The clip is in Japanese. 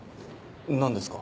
何ですか？